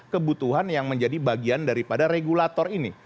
kebutuhan yang menjadi bagian daripada regulator ini